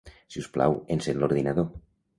Si us plau, encén l'ordinador.